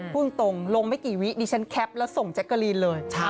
พูดตรงลงไม่กี่วิดิฉันแคปแล้วส่งแจ๊กกะลีนเลย